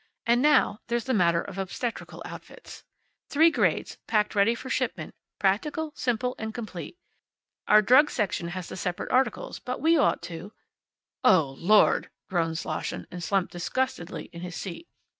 And now, there's the matter of obstetrical outfits. Three grades, packed ready for shipment, practical, simple, and complete. Our drug section has the separate articles, but we ought to " "Oh, lord!" groaned Slosson, and slumped disgustedly in his seat.